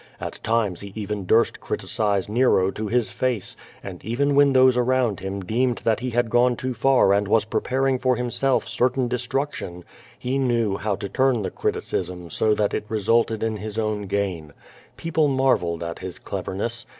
At times he even durst criticise Xero to his face, ami even when those around him deiMned that he had gone too far and was preparing for lumself certain destruction, lie knew how to turn the criticism so that it resulted in his own gain. Peojde marvelled at his cleverness.